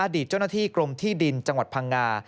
เจ้าหน้าที่กรมที่ดินจังหวัดพังงา